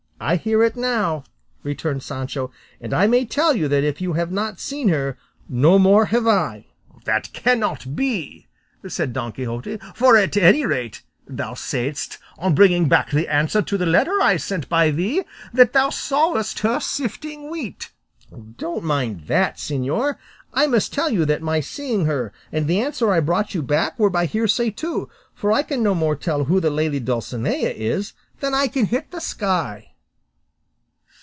"I hear it now," returned Sancho; "and I may tell you that if you have not seen her, no more have I." "That cannot be," said Don Quixote, "for, at any rate, thou saidst, on bringing back the answer to the letter I sent by thee, that thou sawest her sifting wheat." "Don't mind that, señor," said Sancho; "I must tell you that my seeing her and the answer I brought you back were by hearsay too, for I can no more tell who the lady Dulcinea is than I can hit the sky."